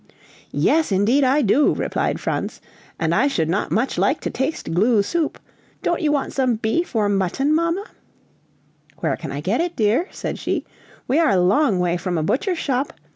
"Yes, indeed I do!" replied Franz, "and I should not much like to taste glue soup! don't you want some beef or mutton, mamma?" "Where can I get it, dear!" said she, "we are a long way from a butcher's shop!